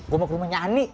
gue mau ke rumahnya ani